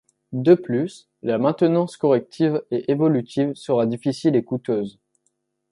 De plus, la maintenance corrective et évolutive sera difficile et coûteuse.